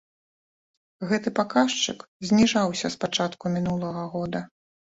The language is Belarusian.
Гэты паказчык зніжаўся з пачатку мінулага года.